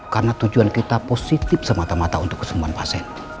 karena tujuan kita positif semata mata untuk kesemua pasien